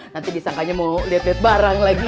nanti disangkanya mau liat liat barang lagi